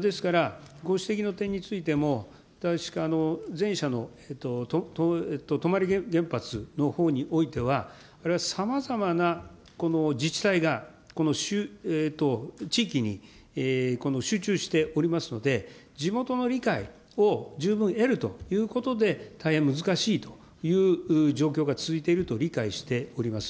ですから、ご指摘の点についても、前者の泊原発のほうにおいては、あれはさまざまな自治体が、地域に集中しておりますので、地元の理解を十分得るということで、大変難しいという状況が続いていると理解しております。